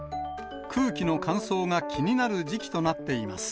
空気の乾燥が気になる時期となっています。